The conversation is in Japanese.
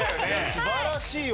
素晴らしいよ。